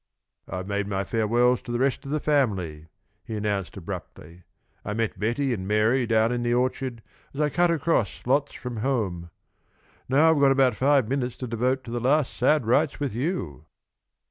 "I've made my farewells to the rest of the family," he announced, abruptly. "I met Betty and Mary down in the orchard as I cut across lots from home. Now I've got about five minutes to devote to the last sad rites with you."